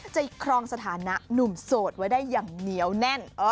ครองสถานะหนุ่มโสดไว้ได้อย่างเหนียวแน่น